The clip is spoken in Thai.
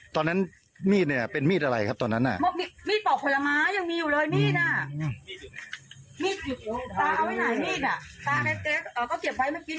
ตอนนั้นมีดเป็นมีดอะไรครับชุนระมุนมีดเปอร์มีดเปอกผลมายังมีอยู่เลย